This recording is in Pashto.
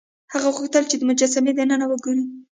هغه غوښتل چې د مجسمې دننه وګوري.